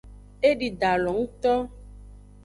Edi dalo ngto.